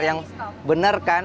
ini apa bener kan